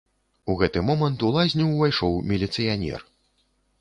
У гэты момант у лазню ўвайшоў міліцыянер.